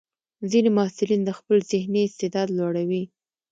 ځینې محصلین د خپل ذهني استعداد لوړوي.